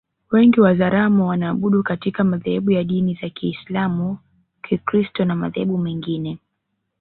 Wengi wa Wazaramo wanaabudu katika madhehebu ya dini za Kiisalamu Kikristo na madhehebu mengine